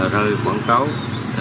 rơi quảng cáo